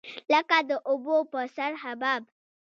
لکه د اوبو په سر حباب.